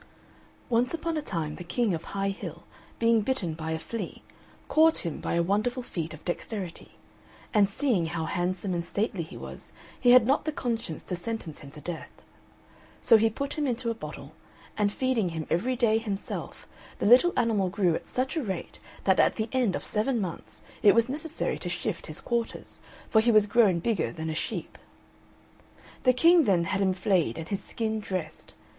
Once upon a time the King of High Hill being bitten by a flea caught him by a wonderful feat of dexterity; and seeing how handsome and stately he was he had not the conscience to sentence him to death. So he put him into a bottle, and feeding him every day himself the little animal grew at such a rate that at the end of seven months it was necessary to shift his quarters, for he was grown bigger than a sheep. The King then had him flayed and his skin dressed.